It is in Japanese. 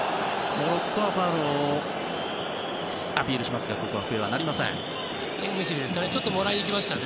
モロッコはファウルをアピールしますがここは笛は鳴りませんでした。